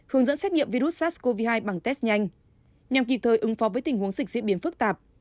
hướng dẫn xét nghiệm virus sars cov hai bằng test nhanh nhằm kịp thời ứng phó với tình huống dịch diễn biến phức tạp